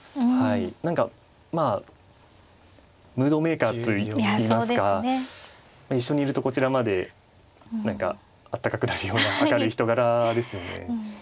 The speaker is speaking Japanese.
何かまあムードメーカーといいますか一緒にいるとこちらまで何かあったかくなるような明るい人柄ですよね。